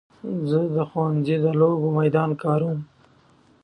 زه د ښوونځي د لوبو میدان کاروم.